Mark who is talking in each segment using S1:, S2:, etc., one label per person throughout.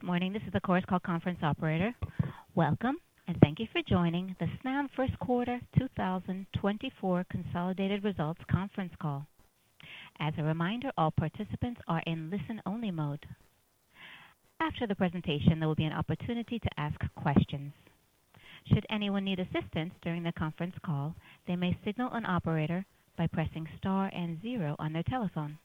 S1: Good morning. This is the conference call operator. Welcome, and thank you for joining the Snam first quarter 2024 consolidated results conference call. As a reminder, all participants are in listen-only mode. After the presentation, there will be an opportunity to ask questions. Should anyone need assistance during the conference call, they may signal an operator by pressing star and zero on their telephone.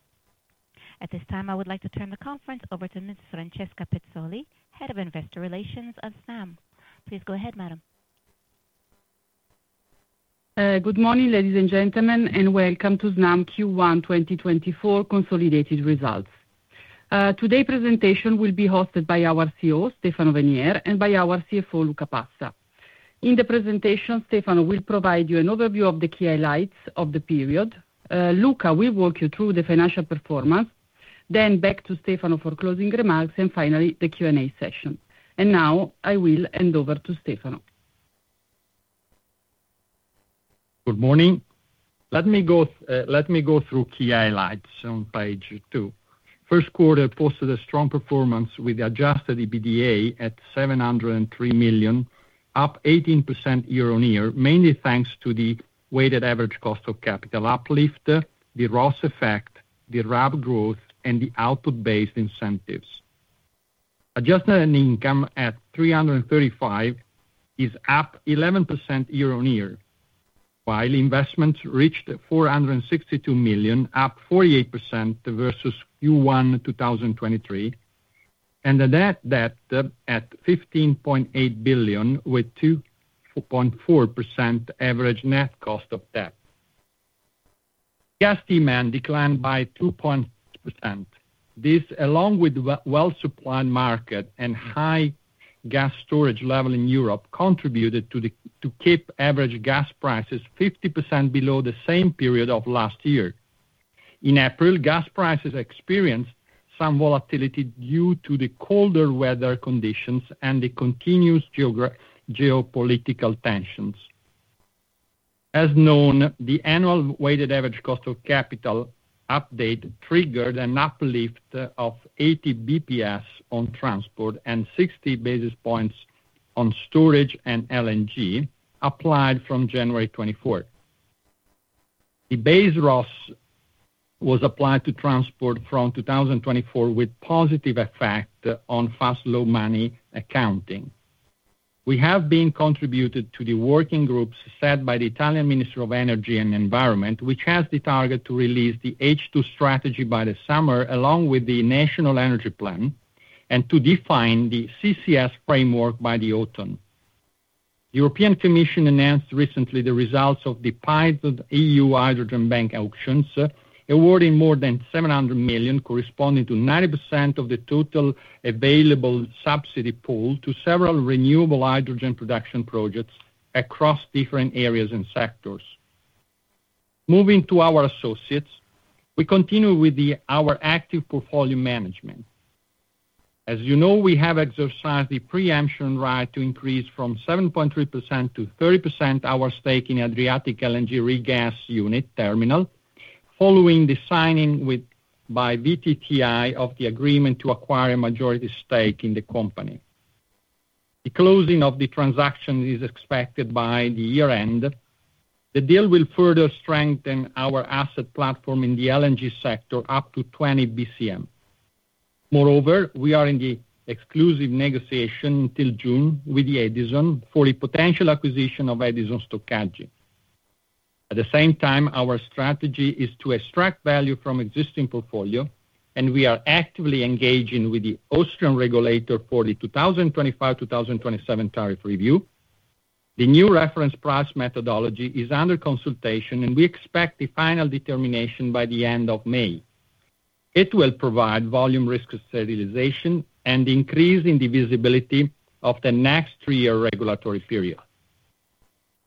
S1: At this time, I would like to turn the conference over to Ms. Francesca Pezzoli, Head of Investor Relations of Snam. Please go ahead, madam.
S2: Good morning, ladies and gentlemen, and welcome to Snam Q1 2024 consolidated results. Today presentation will be hosted by our CEO, Stefano Venier, and by our CFO, Luca Passa. In the presentation, Stefano will provide you an overview of the key highlights of the period. Luca will walk you through the financial performance, then back to Stefano for closing remarks, and finally, the Q&A session. Now I will hand over to Stefano.
S3: Good morning. Let me go, let me go through key highlights on page 2. First quarter posted a strong performance with Adjusted EBITDA at 703 million, up 18% year-on-year, mainly thanks to the weighted average cost of capital uplift, the ROSS effect, the RAB growth, and the output-based incentives. Adjusted income at 335 million is up 11% year-on-year, while investments reached 462 million, up 48% versus Q1 2023, and the net debt at 15.8 billion, with 2.4% average net cost of debt. Gas demand declined by 2%. This, along with the well-supplied market and high gas storage level in Europe, contributed to the—to keep average gas prices 50% below the same period of last year. In April, gas prices experienced some volatility due to the colder weather conditions and the continuous geopolitical tensions. As known, the annual weighted average cost of capital update triggered an uplift of 80 basis points on transport and 60 basis points on storage and LNG, applied from January 24th. The base ROS was applied to transport from 2024, with positive effect on fast/slow money accounting. We have contributed to the working groups set by the Italian Ministry of Energy and Environment, which has the target to release the H2 Strategy by the summer, along with the National Energy Plan, and to define the CCS framework by the autumn. The European Commission announced recently the results of the pilot EU Hydrogen Bank auctions, awarding more than 700 million, corresponding to 90% of the total available subsidy pool to several renewable hydrogen production projects across different areas and sectors. Moving to our associates, we continue with our active portfolio management. As you know, we have exercised the pre-emption right to increase from 7.3%-30% our stake in Adriatic LNG regasification terminal, following the signing with by VTTI of the agreement to acquire a majority stake in the company. The closing of the transaction is expected by the year-end. The deal will further strengthen our asset platform in the LNG sector up to 20 BCM. Moreover, we are in the exclusive negotiation till June with Edison for a potential acquisition of Edison Stoccaggio. At the same time, our strategy is to extract value from existing portfolio, and we are actively engaging with the Austrian regulator for the 2025-2027 tariff review. The new reference price methodology is under consultation, and we expect the final determination by the end of May. It will provide volume risk stabilization and increase in the visibility of the next three-year regulatory period.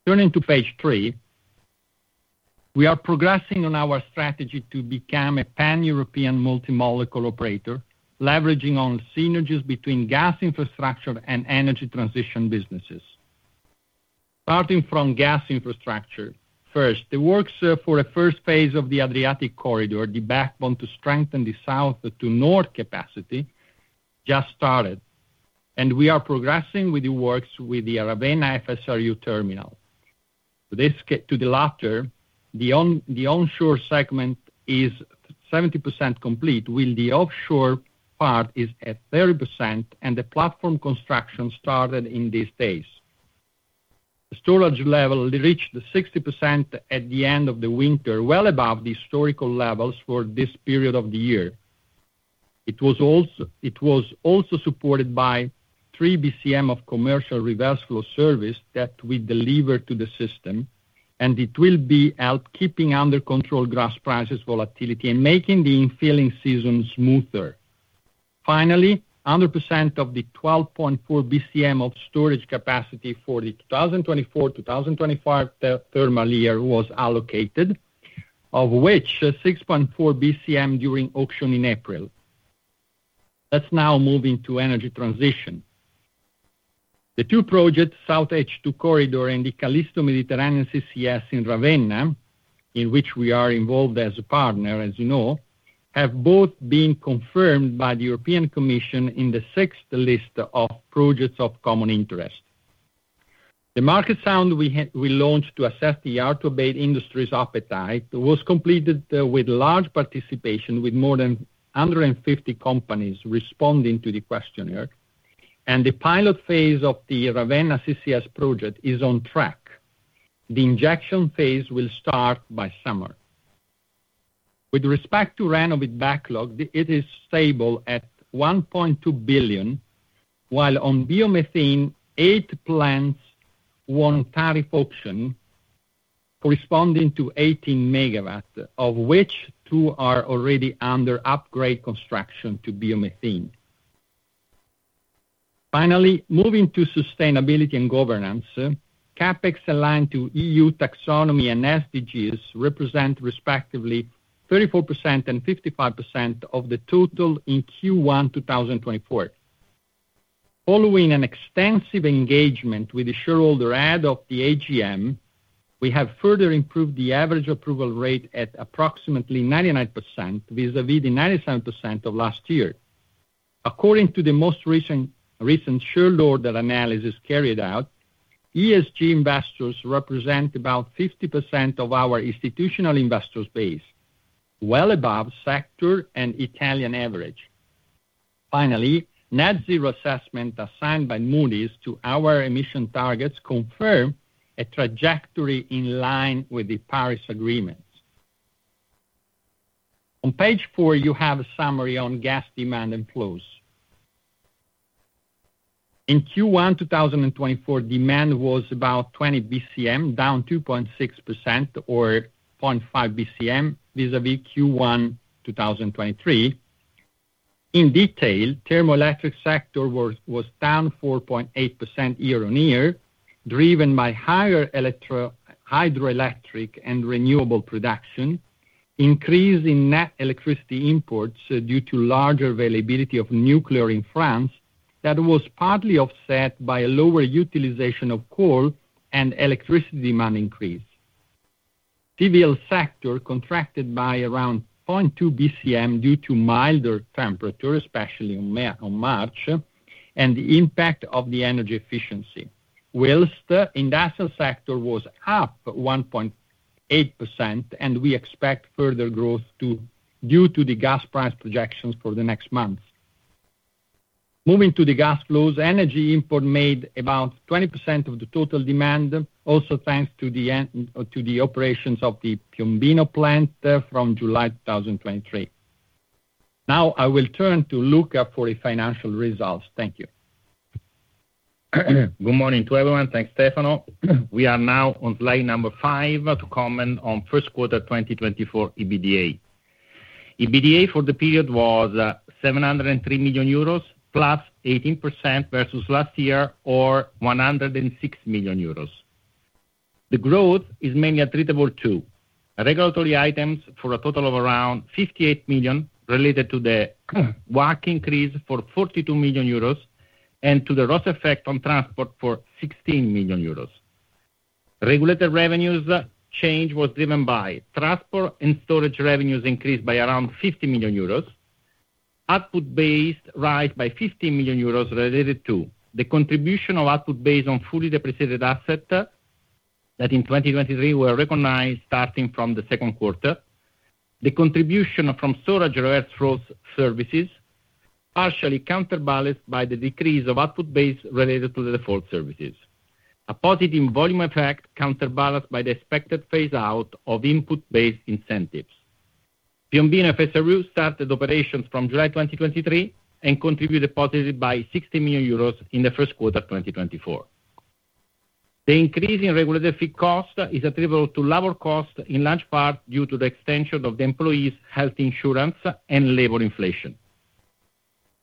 S3: Turning to page three, we are progressing on our strategy to become a Pan-European multi-molecule operator, leveraging on synergies between gas infrastructure and energy transition businesses. Starting from gas infrastructure, first, the works for a first phase of the Adriatic Corridor, the backbone to strengthen the south to north capacity, just started, and we are progressing with the works with the Ravenna FSRU terminal. To get to the latter, the onshore segment is 70% complete, while the offshore part is at 30%, and the platform construction started in these days. The storage level reached 60% at the end of the winter, well above the historical levels for this period of the year. It was also, it was also supported by 3 BCM of commercial reversal flow service that we delivered to the system, and it will help keeping under control gas prices volatility, and making the infilling season smoother. Finally, 100% of the 12.4 BCM of storage capacity for the 2024-2025 thermal year was allocated, of which 6.4 BCM during auction in April. Let's now move into energy transition. The two projects, SoutH2 Corridor and the Callisto Mediterranean CCS in Ravenna, in which we are involved as a partner, as you know, have both been confirmed by the European Commission in the sixth list of projects of common interest. The market sounding we had, we launched to assess the automotive industry's appetite, was completed, with large participation, with more than 150 companies responding to the questionnaire. The pilot phase of the Ravenna CCS project is on track. The injection phase will start by summer. With respect to Renovit backlog, it is stable at 1.2 billion, while on biomethane, 8 plants won tariff option, corresponding to 18 MW, of which two are already under upgrade construction to biomethane. Finally, moving to sustainability and governance, CapEx aligned to EU taxonomy and SDGs represent respectively 34% and 55% of the total in Q1, 2024. Following an extensive engagement with the shareholder ahead of the AGM, we have further improved the average approval rate at approximately 99% vis-à-vis the 97% of last year. According to the most recent shareholder analysis carried out, ESG investors represent about 50% of our institutional investor base, well above sector and Italian average. Finally, net zero assessment assigned by Moody's to our emission targets confirm a trajectory in line with the Paris Agreement. On page four, you have a summary on gas demand and flows. In Q1, 2024, demand was about 20 BCM, down 2.6% or 0.5 BCM vis-à-vis Q1, 2023. In detail, the thermoelectric sector was down 4.8% year-on-year, driven by higher electricity and hydroelectric and renewable production, increase in net electricity imports due to large availability of nuclear in France, that was partly offset by a lower utilization of coal and electricity demand increase. TBL sector contracted by around 0.2 BCM due to milder temperatures, especially in March, and the impact of the energy efficiency. While industrial sector was up 1.8%, and we expect further growth to—due to the gas price projections for the next months. Moving to the gas flows, energy import made about 20% of the total demand, also thanks to the end, or to the operations of the Piombino plant from July 2023. Now, I will turn to Luca for the financial results. Thank you.
S4: Good morning to everyone. Thanks, Stefano. We are now on slide number 5 to comment on first quarter 2024 EBITDA. EBITDA for the period was 703 million euros, +18% versus last year or 106 million euros. The growth is mainly attributable to regulatory items for a total of around 58 million, related to the WACC increase for 42 million euros and to the ROS effect on transport for 16 million euros. Regulated revenues change was driven by transport and storage revenues increased by around 50 million euros. Output-based rise by 50 million euros related to the contribution of output-based on fully depreciated asset, that in 2023 were recognized starting from the second quarter. The contribution from storage reverse flows services, partially counterbalanced by the decrease of output-based related to the default services. A positive volume effect, counterbalanced by the expected phase out of input-based incentives. Piombino FSRU started operations from July 2023, and contributed positively by 60 million euros in the first quarter of 2024. The increase in regulatory cost is attributable to lower cost, in large part, due to the extension of the employees' health insurance and labor inflation.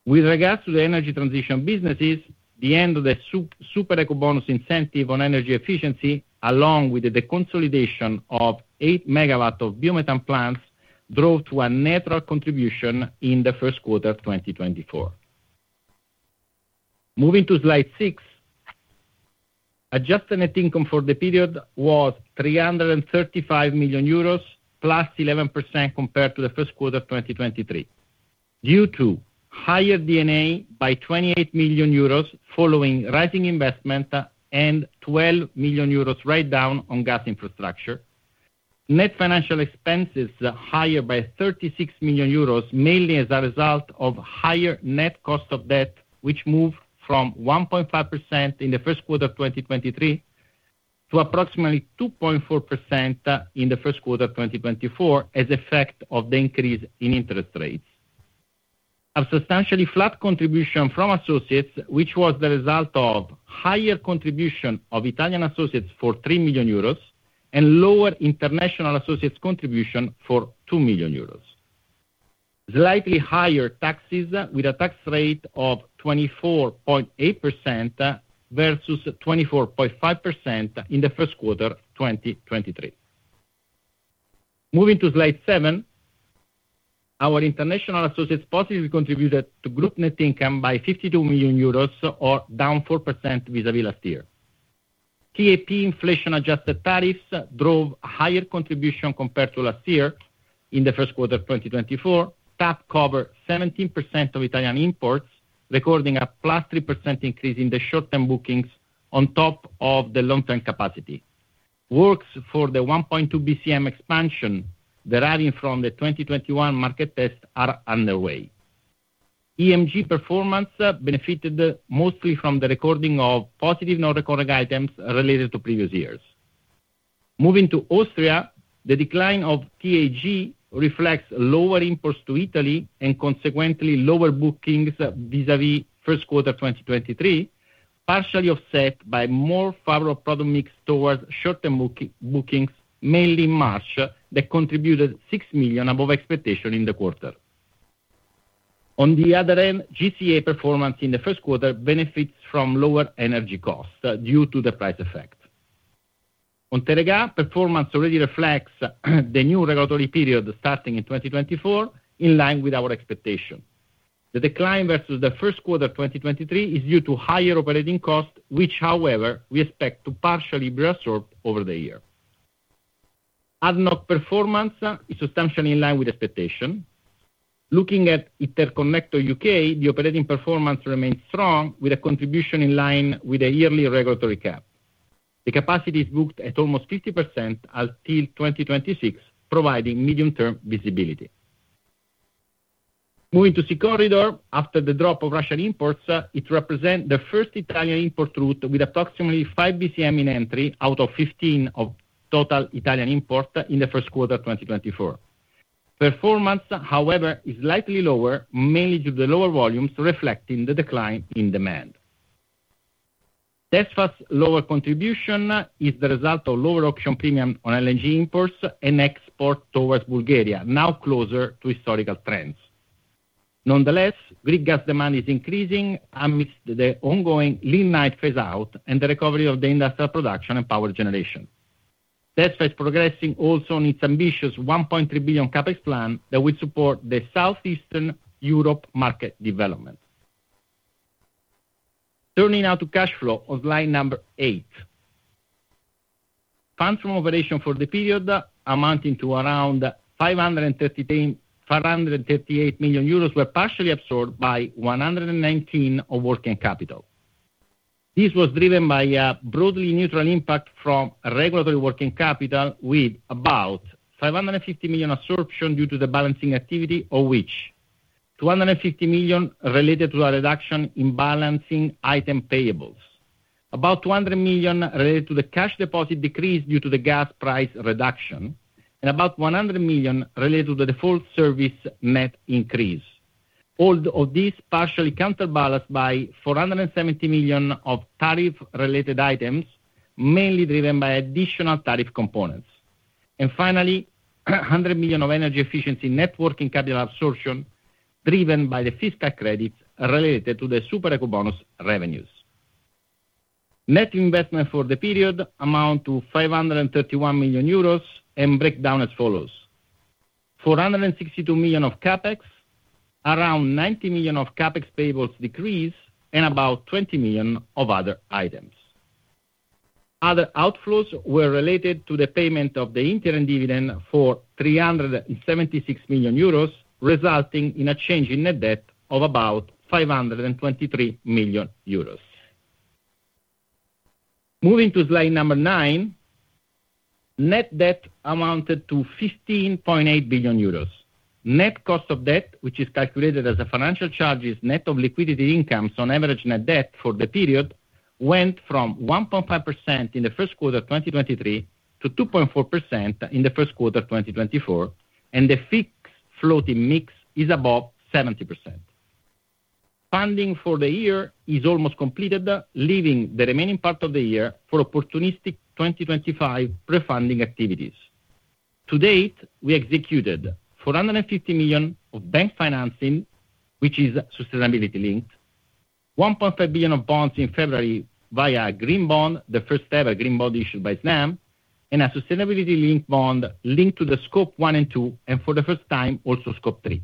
S4: With regards to the energy transition businesses, the end of the Super Ecobonus incentive on energy efficiency, along with the consolidation of 8 MW of biomethane plants, drove to a natural contribution in the first quarter of 2024. Moving to slide six. Adjusted net income for the period was 335 million euros, +11% compared to the first quarter of 2023, due to higher D&A by 28 million euros, following rising investment and 12 million euros write down on gas infrastructure. Net financial expenses higher by 36 million euros, mainly as a result of higher net cost of debt, which moved from 1.5% in the first quarter of 2023, to approximately 2.4% in the first quarter of 2024, as effect of the increase in interest rates. A substantially flat contribution from associates, which was the result of higher contribution of Italian associates for 3 million euros, and lower international associates contribution for 2 million euros. Slightly higher taxes, with a tax rate of 24.8%, versus 24.5% in the first quarter of 2023. Moving to slide seven, our international associates positively contributed to group net income by 52 million euros or down 4% vis-a-vis last year. TAP inflation-adjusted tariffs drove higher contribution compared to last year in the first quarter of 2024. TAP covered 17% of Italian imports, recording a +3% increase in the short-term bookings on top of the long-term capacity. Works for the 1.2 BCM expansion deriving from the 2021 market test are underway. EMG performance benefited mostly from the recording of positive non-recurring items related to previous years. Moving to Austria, the decline of TAG reflects lower imports to Italy and consequently lower bookings vis-a-vis first quarter 2023, partially offset by more favorable product mix towards short-term bookings, mainly March, that contributed 6 million above expectation in the quarter. On the other end, GCA performance in the first quarter benefits from lower energy costs due to the price effect. On Teréga, performance already reflects the new regulatory period starting in 2024, in line with our expectation. The decline versus the first quarter 2023 is due to higher operating costs, which, however, we expect to partially reabsorb over the year. ADNOC performance is substantially in line with expectation. Looking at Interconnector UK, the operating performance remains strong, with a contribution in line with the yearly regulatory cap. The capacity is booked at almost 50% until 2026, providing medium-term visibility. Moving to Sea Corridor, after the drop of Russian imports, it represent the first Italian import route with approximately 5 BCM in entry out of 15 of total Italian import in the first quarter 2024. Performance, however, is slightly lower, mainly due to the lower volumes reflecting the decline in demand. DESFA's lower contribution is the result of lower option premium on LNG imports and export towards Bulgaria, now closer to historical trends. Nonetheless, Greek gas demand is increasing amidst the ongoing lignite phase-out and the recovery of the industrial production and power generation. DESFA is progressing also on its ambitious 1.3 billion CapEx plan that will support the Southeastern Europe market development. Turning now to cash flow on slide number 8. Funds from operation for the period amounting to around 538, 538 million were partially absorbed by 119 million of working capital. This was driven by a broadly neutral impact from a regulatory working capital, with about 550 million absorption due to the balancing activity, of which 250 million related to a reduction in balancing item payables. About 200 million related to the cash deposit decrease due to the gas price reduction, and about 100 million related to the default service net increase. All of these partially counterbalanced by 470 million of tariff-related items, mainly driven by additional tariff components. And finally, 100 million of energy efficiency net working capital absorption, driven by the fiscal credits related to the Super Ecobonus revenues. Net investment for the period amount to 531 million euros and break down as follows: 462 million of CapEx, around 90 million of CapEx payables decrease, and about 20 million of other items. Other outflows were related to the payment of the interim dividend for 376 million euros, resulting in a change in net debt of about 523 million euros. Moving to slide number nine, net debt amounted to 15.8 billion euros. Net cost of debt, which is calculated as the financial charges net of liquidity incomes on average net debt for the period, went from 1.5% in the first quarter of 2023 to 2.4% in the first quarter of 2024, and the fixed floating mix is above 70%. Funding for the year is almost completed, leaving the remaining part of the year for opportunistic 2025 refunding activities. To date, we executed 450 million of bank financing, which is sustainability-linked, 1.5 billion of bonds in February via a green bond, the first-ever green bond issued by Snam, and a sustainability-linked bond linked to the Scope 1 and 2, and for the first time, also Scope 3.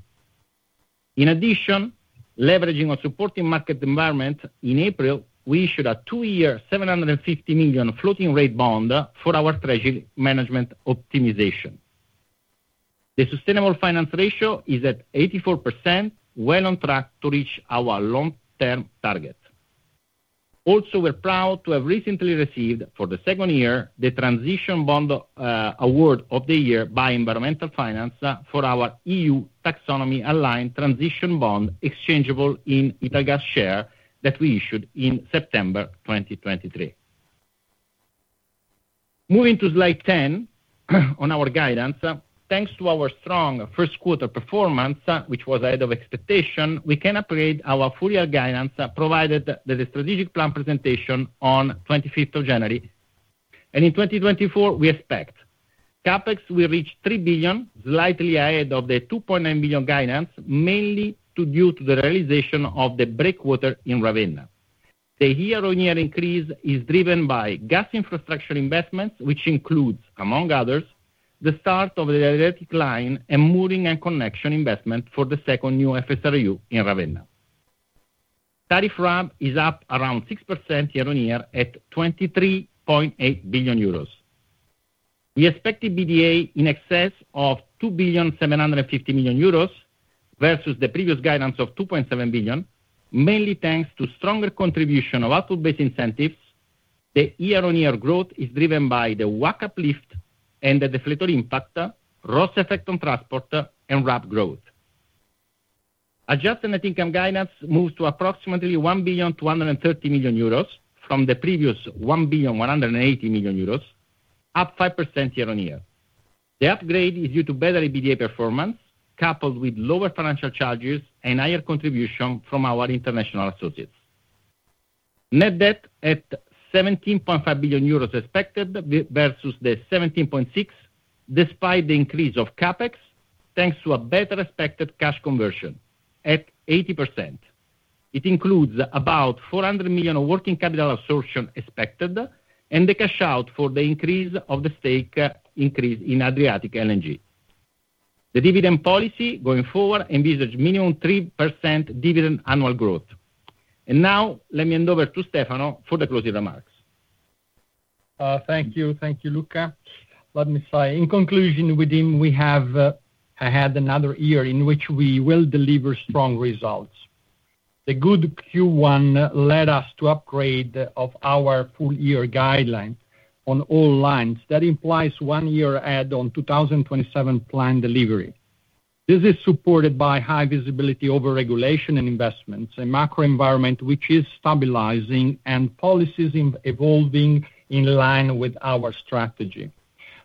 S4: In addition, leveraging a supporting market environment, in April, we issued a 2-year, 750 million floating rate bond for our treasury management optimization. The sustainable finance ratio is at 84%, well on track to reach our long-term target. Also, we're proud to have recently received, for the second year, the Transition Bond Award of the Year by Environmental Finance for our EU Taxonomy-aligned transition bond, exchangeable in Italgas share, that we issued in September 2023. Moving to slide 10, on our guidance. Thanks to our strong first quarter performance, which was ahead of expectation, we can upgrade our full year guidance, provided that the strategic plan presentation on 25th of January. In 2024, we expect CapEx will reach 3 billion, slightly ahead of the 2.9 billion guidance, mainly due to the realization of the breakwater in Ravenna. The year-on-year increase is driven by gas infrastructure investments, which includes, among others, the start of the Adriatic Line and mooring and connection investment for the second new FSRU in Ravenna. Tariff RAB is up around 6% year-on-year at 23.8 billion euros. We expect the EBITDA in excess of 2.75 billion versus the previous guidance of 2.7 billion, mainly thanks to stronger contribution of output-based incentives. The year-on-year growth is driven by the WACC uplift and the deflator impact, ROS effect on transport, and RAB growth. Adjusted net income guidance moves to approximately 1.23 billion from the previous 1.18 billion, up 5% year-on-year. The upgrade is due to better EBITDA performance, coupled with lower financial charges and higher contribution from our international associates. Net debt at 17.5 billion euros expected versus the 17.6 billion, despite the increase of CapEx, thanks to a better expected cash conversion at 80%. It includes about 400 million of working capital absorption expected, and the cash out for the increase of the stake, increase in Adriatic LNG. The dividend policy going forward envisages minimum 3% dividend annual growth. And now let me hand over to Stefano for the closing remarks.
S3: Thank you. Thank you, Luca. Let me say, in conclusion, we have had another year in which we will deliver strong results. The good Q1 led us to upgrade of our full-year guideline on all lines. That implies one-year add-on 2027 plan delivery. This is supported by high visibility over regulation and investments, a macro environment which is stabilizing and policies evolving in line with our strategy.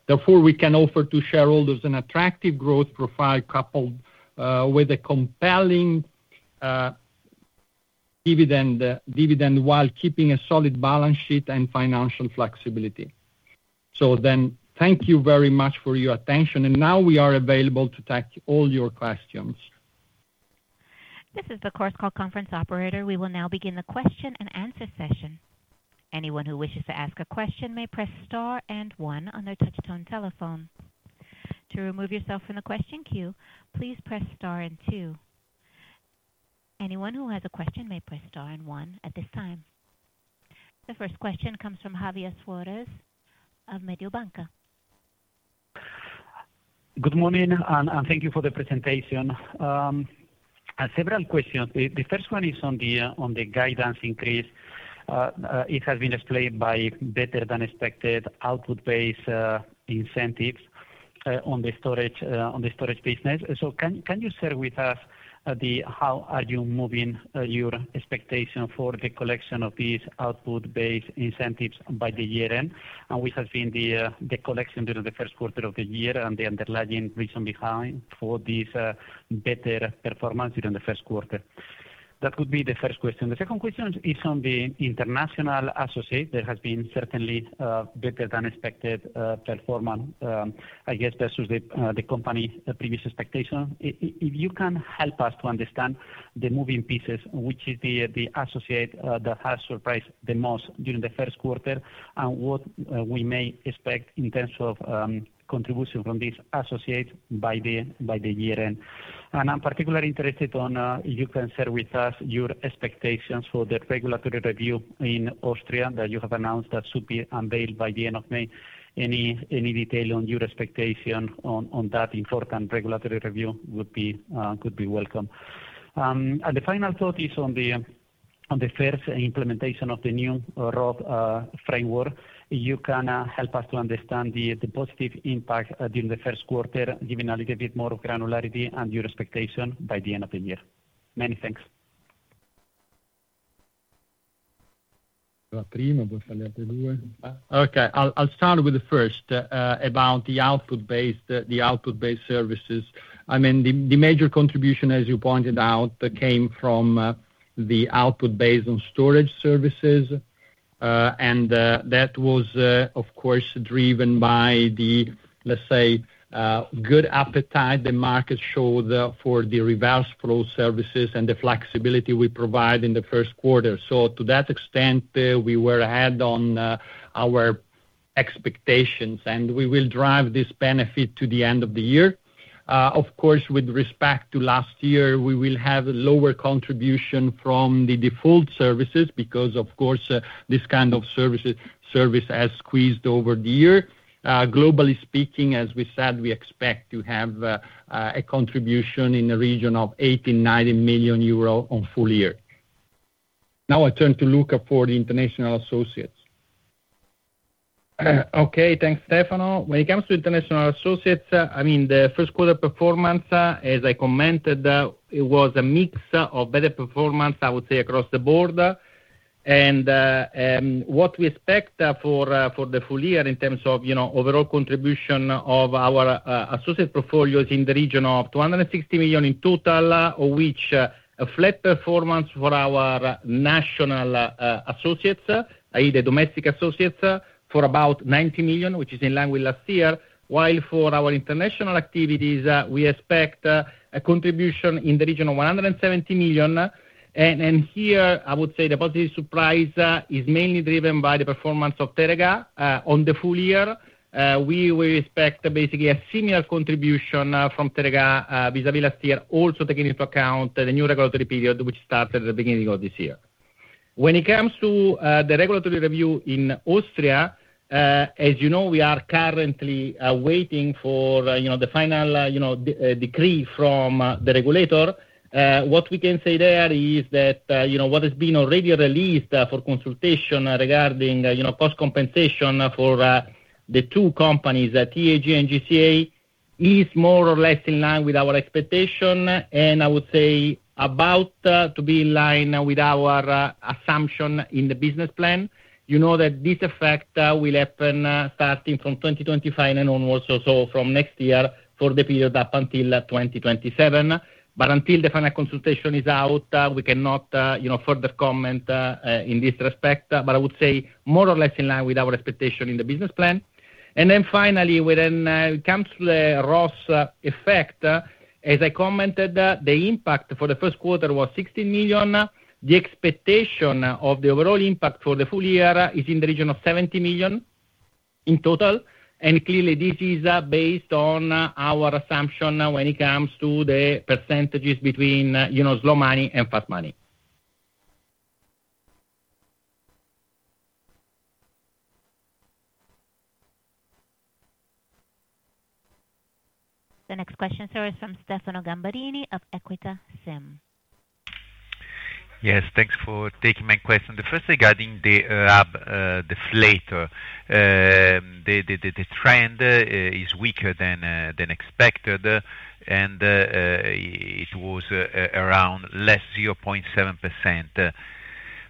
S3: Therefore, we can offer to shareholders an attractive growth profile coupled with a compelling dividend while keeping a solid balance sheet and financial flexibility. Thank you very much for your attention, and now we are available to take all your questions.
S1: This is the Chorus Call conference operator. We will now begin the question-and-answer session. Anyone who wishes to ask a question may press star and one on their touchtone telephone. To remove yourself from the question queue, please press star and two. Anyone who has a question may press star and one at this time. The first question comes from Javier Suarez of Mediobanca.
S5: Good morning, and thank you for the presentation. I have several questions. The first one is on the guidance increase. It has been explained by better-than-expected output-based incentives on the storage business. So can you share with us the—how are you moving your expectation for the collection of these output-based incentives by the year-end? And we have seen the collection during the first quarter of the year and the underlying reason behind for this better performance during the first quarter. That would be the first question. The second question is on the international associate. There has been certainly better-than-expected performance, I guess, versus the company previous expectation. If you can help us to understand the moving pieces, which is the associate that has surprised the most during the first quarter, and what we may expect in terms of contribution from these associates by the year end? And I'm particularly interested on if you can share with us your expectations for the regulatory review in Austria, that you have announced that should be unveiled by the end of May. Any detail on your expectation on that important regulatory review would be, could be welcome. And the final thought is on the first implementation of the new RAB framework. You can help us to understand the positive impact during the first quarter, giving a little bit more granularity and your expectation by the end of the year. Many thanks.
S3: Okay, I'll start with the first about the output-based services. I mean, the major contribution, as you pointed out, came from the output-based storage services. And that was, of course, driven by the, let's say, good appetite the market showed for the reverse flow services and the flexibility we provide in the first quarter. So to that extent, we were ahead on our expectations, and we will drive this benefit to the end of the year. Of course, with respect to last year, we will have a lower contribution from the default services because, of course, this kind of services has squeezed over the year. Globally speaking, as we said, we expect to have a contribution in the region of 80 million-90 million euro on full year. Now I turn to Luca for the international associates.
S4: Okay, thanks, Stefano. When it comes to international associates, I mean, the first quarter performance, as I commented, it was a mix of better performance, I would say, across the board. What we expect for the full year in terms of, you know, overall contribution of our associate portfolios in the region of 260 million in total, which a flat performance for our national associates, i.e., the domestic associates, for about 90 million, which is in line with last year. While for our international activities, we expect a contribution in the region of 170 million. And here, I would say the positive surprise is mainly driven by the performance of Teréga. On the full year, we expect basically a similar contribution from Teréga vis-a-vis last year, also taking into account the new regulatory period, which started at the beginning of this year. When it comes to the regulatory review in Austria, as you know, we are currently waiting for you know, the final you know, decree from the regulator. What we can say there is that you know, what has been already released for consultation regarding you know, cost compensation for the two companies, the TAG and GCA, is more or less in line with our expectation, and I would say about to be in line with our assumption in the business plan. You know that this effect will happen starting from 2025 and onwards, so from next year for the period up until 2027. But until the final consultation is out, we cannot you know, further comment in this respect, but I would say more or less in line with our expectation in the business plan. And then finally, when it comes to the ROS effect, as I commented, the impact for the first quarter was 60 million. The expectation of the overall impact for the full year is in the region of 70 million in total, and clearly, this is based on our assumption when it comes to the percentages between, you know, slow money and fast money.
S1: The next question, sir, is from Stefano Gamberini of Equita SIM.
S6: Yes, thanks for taking my question. The first regarding the Hub Deflator. The trend is weaker than expected, and it was around -0.7%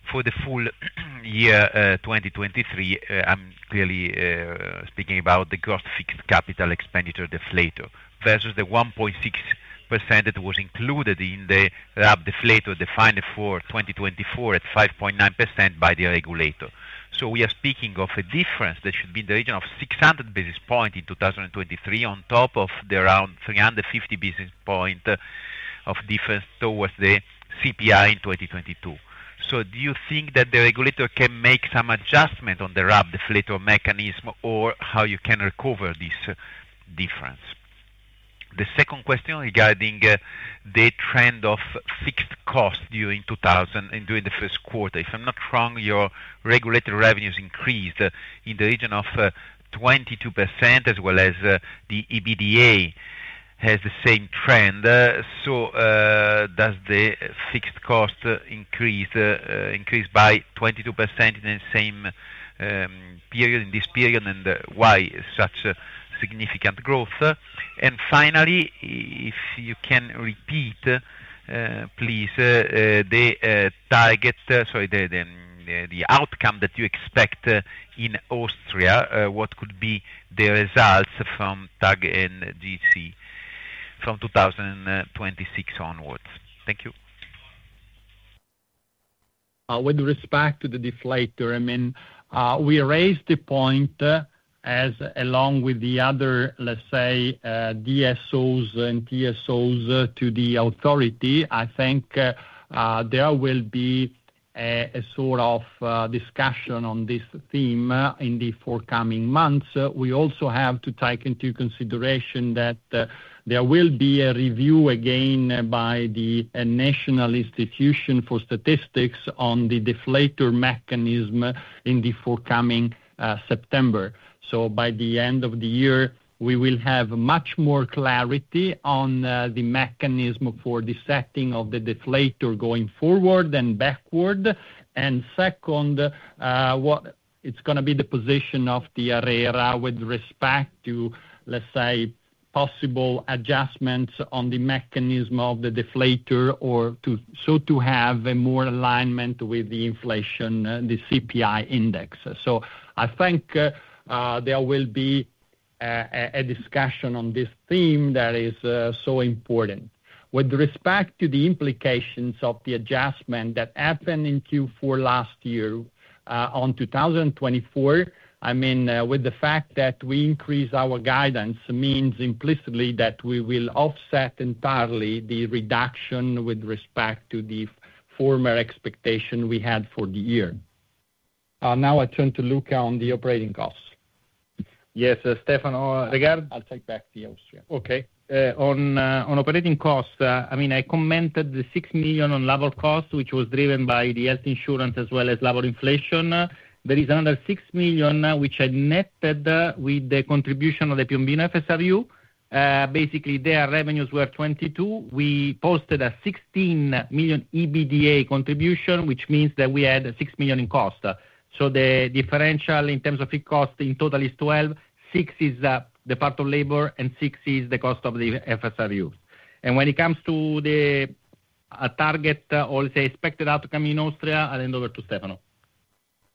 S6: for the full year 2023. I'm clearly speaking about the gross fixed capital expenditure deflator, versus the 1.6% that was included in the Hub Deflator defined for 2024 at 5.9% by the regulator. So we are speaking of a difference that should be in the region of 600 basis points in 2023, on top of the around 350 basis point of difference towards the CPI in 2022. So do you think that the regulator can make some adjustment on the Hub Deflator mechanism, or how you can recover this difference? The second question regarding the trend of fixed costs during 2000 and during the first quarter. If I'm not wrong, your regulatory revenues increased in the region of 22%, as well as the EBITDA has the same trend. So, does the fixed cost increase increase by 22% in the same period, in this period? And why such a significant growth? And finally, if you can repeat please the target, sorry, the outcome that you expect in Austria, what could be the results from TAG and GCA from 2026 onwards? Thank you.
S3: With respect to the deflator, I mean, we raised the point, as along with the other, let's say, DSOs and TSOs to the authority. I think, there will be a sort of discussion on this theme in the forthcoming months. We also have to take into consideration that, there will be a review again by the National Institution for Statistics on the deflator mechanism in the forthcoming September. So by the end of the year, we will have much more clarity on the mechanism for the setting of the deflator going forward and backward. And second, what it's gonna be the position of the ARERA with respect to, let's say, possible adjustments on the mechanism of the deflator or to so to have a more alignment with the inflation, the CPI index. I think there will be a discussion on this theme that is so important. With respect to the implications of the adjustment that happened in Q4 last year, on 2024, I mean, with the fact that we increased our guidance, means implicitly that we will offset entirely the reduction with respect to the former expectation we had for the year. Now I turn to Luca on the operating costs.
S4: Yes, Stefano.
S3: I'll take back the Austria.
S4: Okay. On operating costs, I mean, I commented the 6 million on labor costs, which was driven by the health insurance as well as labor inflation. There is another 6 million, which I netted, with the contribution of the Piombino FSRU. Basically, their revenues were 22 million. We posted a 16 million EBITDA contribution, which means that we had 6 million in cost. So the differential in terms of fixed cost in total is 12 million. 6 million is the part of labor, and 6 million is the cost of the FSRU. And when it comes to the target or the expected outcome in Austria, I'll hand over to Stefano.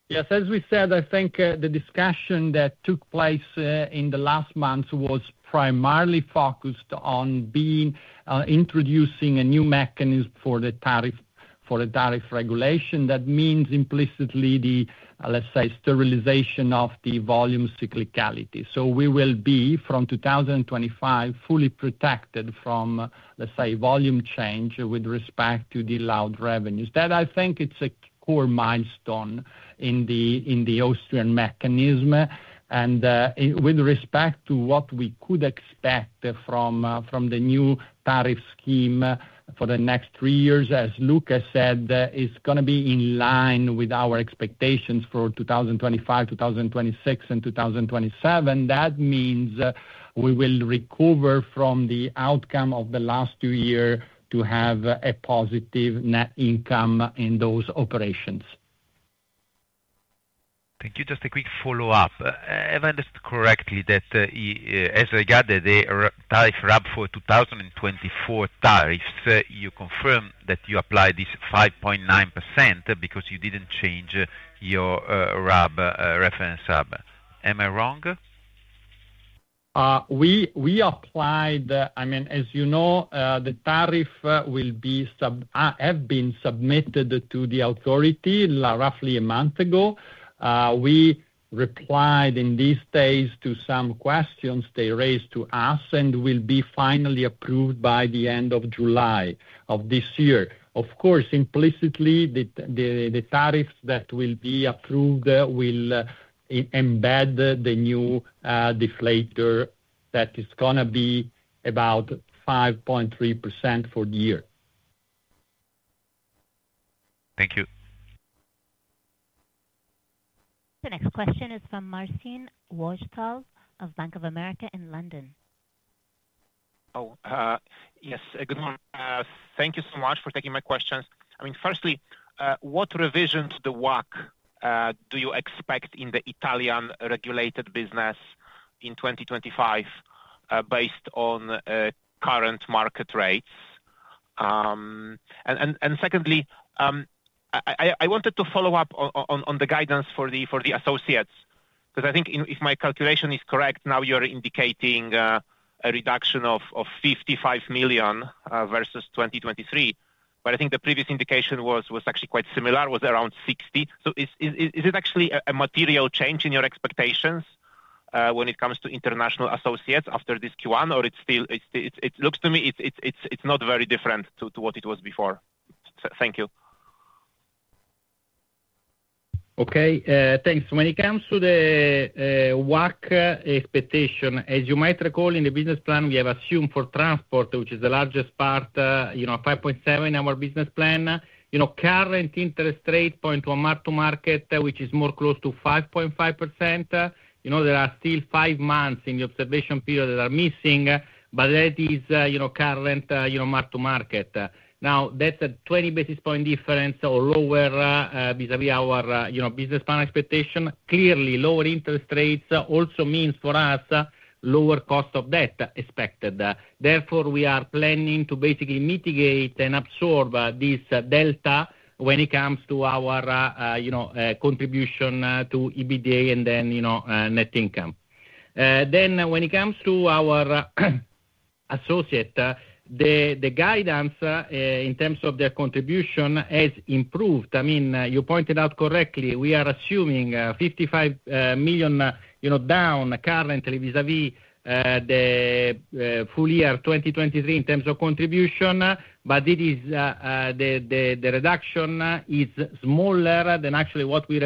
S6: Yes, as we said, I think the discussion that took place in the last months was primarily focused on introducing a new mechanism for the tariff regulation, that means implicitly the, let's say, sterilization of the volume cyclicality. So we will be, from 2025, fully protected from, let's say, volume change with respect to the allowed revenues. That, I think it's a core milestone in the Austrian mechanism, and with respect to what we could expect from the new tariff scheme for the next three years, as Luca said, is gonna be in line with our expectations for 2025, 2026, and 2027. That means we will recover from the outcome of the last two years to have a positive net income in those operations. Thank you. Just a quick follow-up. Have I understood correctly that, as regarded the tariff RAB for 2024 tariffs, you confirm that you apply this 5.9% because you didn't change your RAB, reference RAB. Am I wrong?
S3: We applied, I mean, as you know, the tariffs have been submitted to the authority roughly a month ago. We replied in these days to some questions they raised to us, and will be finally approved by the end of July of this year. Of course, implicitly, the tariffs that will be approved will embed the new deflator, that is gonna be about 5.3% for the year.
S6: Thank you.
S1: The next question is from Marcin Wojtal of Bank of America in London.
S7: Oh, yes, good morning. Thank you so much for taking my questions. I mean, firstly, what revision to the WACC do you expect in the Italian regulated business in 2025, based on current market rates? And secondly, I wanted to follow up on the guidance for the associates, because I think if my calculation is correct, now you're indicating a reduction of 55 million versus 2023. But I think the previous indication was actually quite similar, around 60 million. So is it actually a material change in your expectations when it comes to international associates after this Q1? Or it's still, it looks to me it's not very different to what it was before. Thank you.
S4: Okay, thanks. When it comes to the WACC expectation, as you might recall in the business plan, we have assumed for transport, which is the largest part, you know, 5.7 in our business plan. You know, current interest rate point to a mark-to-market, which is more close to 5.5%. You know, there are still five months in the observation period that are missing, but that is, you know, current mark-to-market. Now, that's a 20 basis point difference or lower, vis-à-vis our, you know, business plan expectation. Clearly, lower interest rates also means for us, lower cost of debt expected. Therefore, we are planning to basically mitigate and absorb this delta when it comes to our, you know, contribution to EBITDA and then, you know, net income. Then when it comes to our associate, the guidance in terms of their contribution has improved. I mean, you pointed out correctly, we are assuming 55 million, you know, down currently vis-a-vis the full year 2023 in terms of contribution, but it is the reduction is smaller than actually what we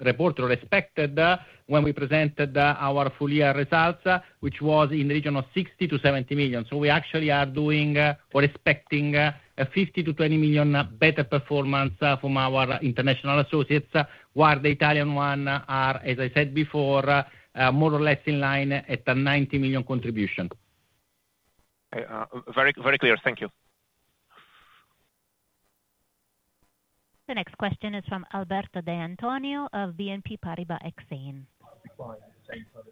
S4: reported or expected when we presented our full year results, which was in the region of 60 million-70 million. So we actually are doing or expecting a 50 million-20 million better performance from our international associates while the Italian one are, as I said before, more or less in line at a 90 million contribution.
S7: Very, very clear. Thank you.
S1: The next question is from Alberto De Antonio of BNP Paribas Exane.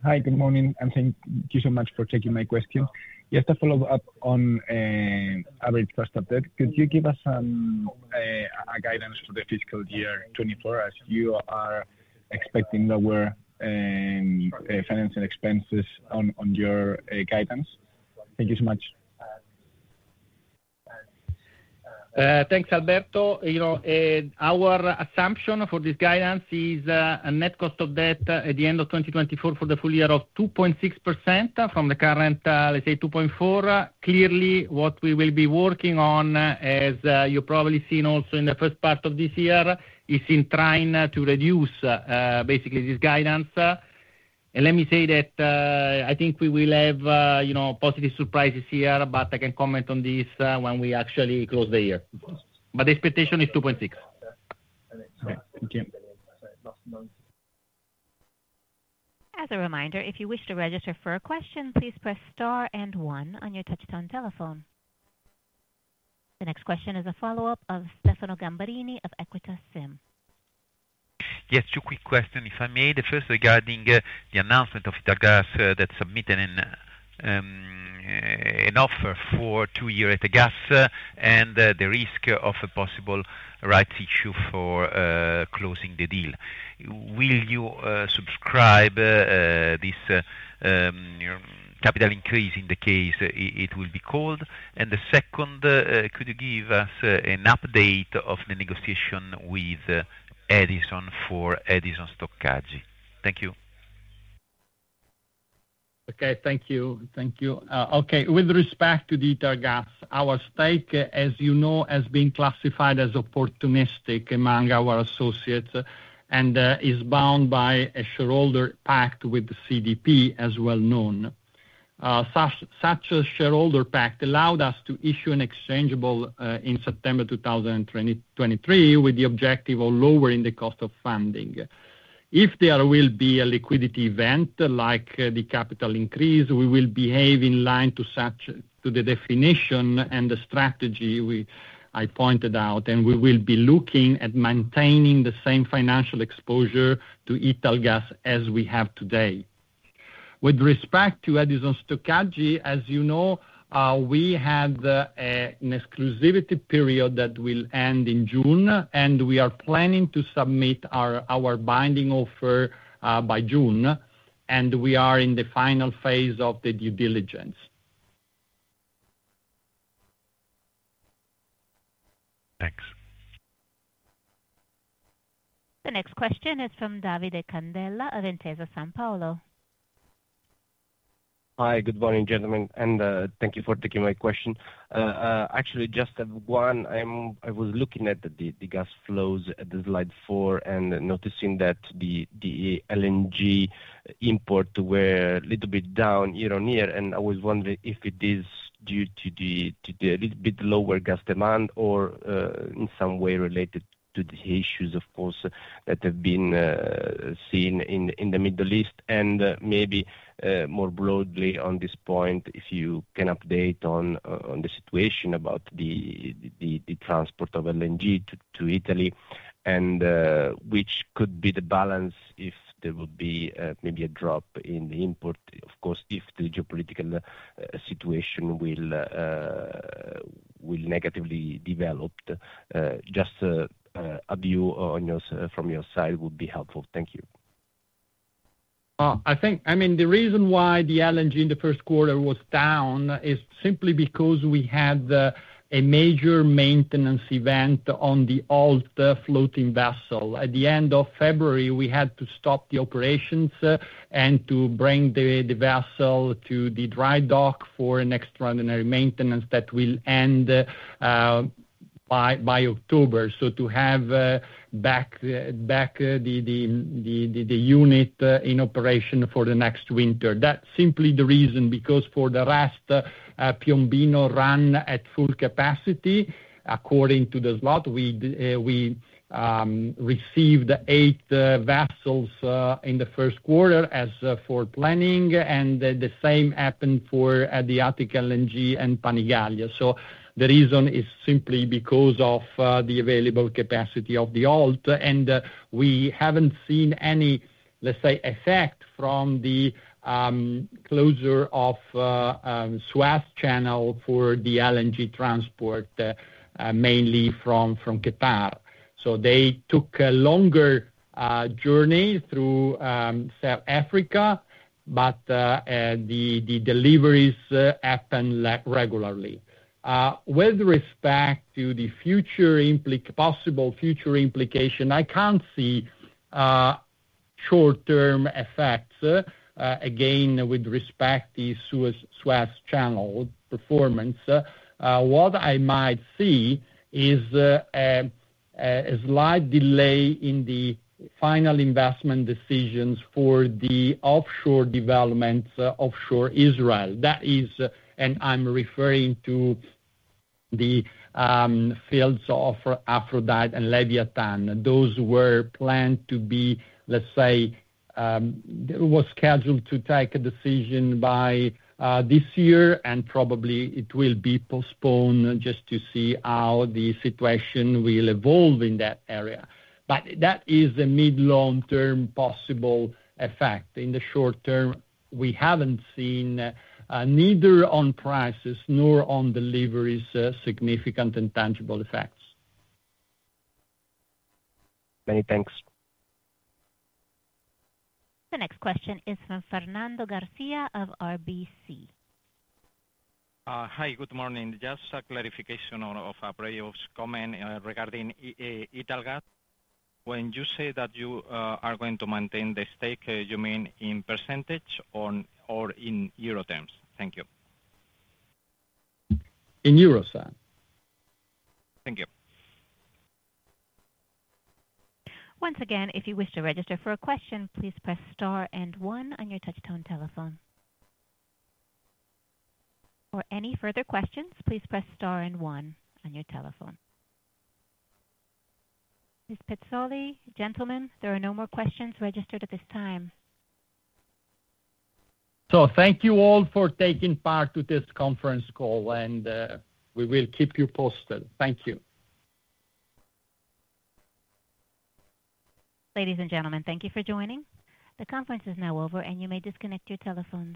S8: Hi, good morning, and thank you so much for taking my question. Just a follow-up on ARERA's first update. Could you give us some guidance for the fiscal year 2024, as you are expecting lower financing expenses on your guidance? Thank you so much.
S4: Thanks, Alberto. You know, our assumption for this guidance is a net cost of debt at the end of 2024 for the full year of 2.6% from the current, let's say 2.4%. Clearly, what we will be working on, as you probably seen also in the first part of this year, is in trying to reduce basically this guidance. And let me say that, I think we will have, you know, positive surprises here, but I can comment on this when we actually close the year. But the expectation is 2.6%.
S8: Okay. Thank you.
S1: As a reminder, if you wish to register for a question, please press Star and one on your touchtone telephone. The next question is a follow-up of Stefano Gamberini of Equita SIM.
S6: Yes, two quick questions, if I may. The first regarding the announcement of Italgas that submitted an offer for two year at the gas, and the risk of a possible rights issue for closing the deal. Will you subscribe this capital increase in the case it will be called? And the second, could you give us an update of the negotiation with Edison for Edison Stoccaggio?
S1: Thank you.
S3: Okay, thank you. Thank you. Okay, with respect to Italgas, our stake, as you know, has been classified as opportunistic among our associates, and, is bound by a shareholder pact with the CDP, as well known. Such, such a shareholder pact allowed us to issue an exchangeable, in September 2020-2023, with the objective of lowering the cost of funding. If there will be a liquidity event, like the capital increase, we will behave in line to such, to the definition and the strategy we, I pointed out, and we will be looking at maintaining the same financial exposure to Italgas as we have today. With respect to Edison Stoccaggio, as you know, we have an exclusivity period that will end in June, and we are planning to submit our binding offer by June, and we are in the final phase of the due diligence.
S1: Thanks. The next question is from Davide Candela of Intesa Sanpaolo.
S9: Hi, good morning, gentlemen, and thank you for taking my question. Actually, just have one. I was looking at the gas flows at the slide four and noticing that the LNG import were a little bit down year-on-year, and I was wondering if it is due to a little bit lower gas demand or in some way related to the issues, of course, that have been seen in the Middle East. And maybe, more broadly on this point, if you can update on the situation about the transport of LNG to Italy, and which could be the balance if there would be maybe a drop in the import, of course, if the geopolitical situation will negatively develop. Just a view on your from your side would be helpful. Thank you.
S3: I think, I mean, the reason why the LNG in the first quarter was down is simply because we had a major maintenance event on the OLT floating vessel. At the end of February, we had to stop the operations and to bring the vessel to the dry dock for an extraordinary maintenance that will end by October. So to have back the unit in operation for the next winter. That's simply the reason, because for the rest, Piombino ran at full capacity, according to the slot. We received 8 vessels in the first quarter as for planning, and the same happened for the Adriatic LNG and Panigaglia. So the reason is simply because of the available capacity of the OLT, and we haven't seen any, let's say, effect from the closure of the Suez Canal for the LNG transport, mainly from Qatar. So they took a longer journey through South Africa, but the deliveries happened regularly. With respect to the possible future implications, I can't see short-term effects, again, with respect to the Suez Canal performance. What I might see is a slight delay in the final investment decisions for the offshore development, offshore Israel. That is, and I'm referring to the fields of Aphrodite and Leviathan. Those were planned to be, let's say, was scheduled to take a decision by this year, and probably it will be postponed just to see how the situation will evolve in that area. But that is a mid-long term possible effect. In the short term, we haven't seen neither on prices nor on deliveries significant and tangible effects.
S9: Many thanks.
S1: The next question is from Fernando Garcia of RBC.
S10: Hi, good morning. Just a clarification on Venier's comment regarding Italgas. When you say that you are going to maintain the stake, you mean in percentage or in euro terms? Thank you.
S3: In euros, sir.
S10: Thank you.
S1: Once again, if you wish to register for a question, please press star and one on your touch tone telephone. For any further questions, please press star and one on your telephone. Ms. Pezzoli, gentlemen, there are no more questions registered at this time.
S3: Thank you all for taking part to this conference call, and we will keep you posted. Thank you.
S1: Ladies and gentlemen, thank you for joining. The conference is now over, and you may disconnect your telephones.